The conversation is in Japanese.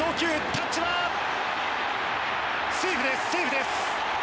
タッチはセーフです！